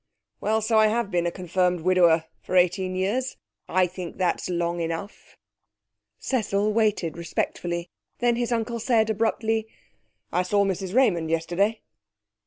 'Well, so I have been a confirmed widower for eighteen years. I think that's long enough.' Cecil waited respectfully. Then his uncle said abruptly 'I saw Mrs Raymond yesterday.'